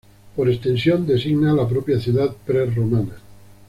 Por extensión, designa a la propia ciudad prerromana.